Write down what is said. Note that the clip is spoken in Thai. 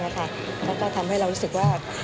แล้วก็ทำให้เรารู้สึกว่า